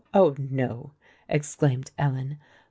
oh, no!" exclaimed Ellen.